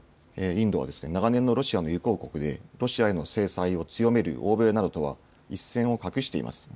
インドは長年のロシアの友好国で、ロシアへの制裁を強める欧米などとは一線を画しています。